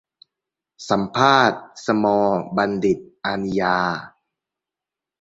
สัมภาษณ์ 'สมอลล์ บัณฑิต อานียา'